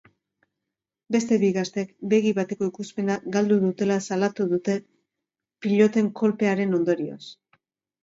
Beste bi gaztek begi bateko ikusmena galdu dutela salatu dute piloten kolpearen ondorioz.